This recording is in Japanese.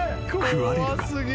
食われるか？